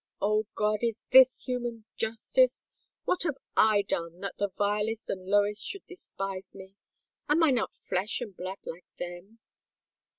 O God, is this human justice? What have I done that the vilest and lowest should despise me? Am I not flesh and blood like them?